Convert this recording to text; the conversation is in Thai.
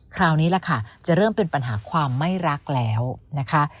คราวนี้แหละค่ะจะเริ่มเป็นปัญหาความไม่รักแล้วนะคะ